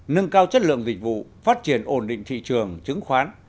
nâng cao chất lượng dịch vụ phát triển ổn định thị trường chứng khoán